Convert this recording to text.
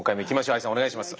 ＡＩさんお願いします。